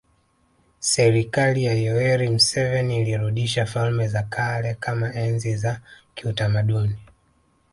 Serikali ya Yoweri Museveni ilirudisha falme za kale kama enzi za kiutamaduni